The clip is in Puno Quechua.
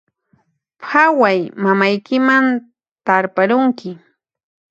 Phaway, mamaykiman tarparunki